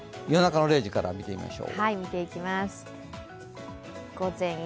夜中の０時から見てみましょう。